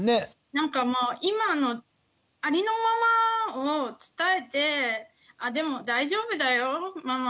なんか今のありのままを伝えて「あでも大丈夫だよママ